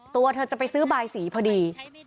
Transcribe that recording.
ตัวเธอจะไปซื้อบายสีพอดี